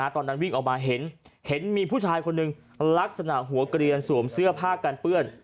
ตอนนั้นวิ่งออกมาเห็นมีผู้ชายคนหนึ่งลักษณะหัวเกลียนสวมเสื้อผ้ากันเปื้อน